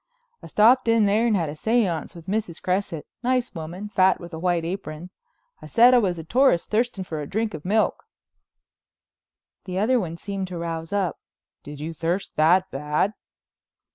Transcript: "I stopped in there and had a séance with Mrs. Cresset, nice woman, fat with a white apron. I said I was a tourist thirsting for a drink of milk." The other one seemed to rouse up. "Did you thirst that bad?"